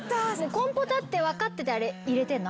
コンポタって分かっててあれ入れてんの？